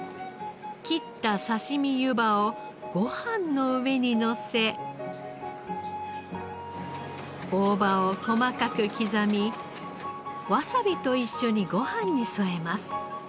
切ったさしみゆばをご飯の上にのせ大葉を細かく刻みわさびと一緒にご飯に添えます。